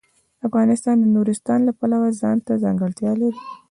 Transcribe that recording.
افغانستان د نورستان د پلوه ځانته ځانګړتیا لري.